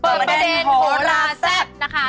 เปิดประเด็นโหลาซับนะคะ